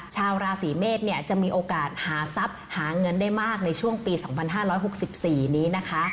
ชาวราศีเมษจะมีโอกาสหาทรัพย์หาเงินได้มากในช่วงปี๒๕๖๔นี้นะคะ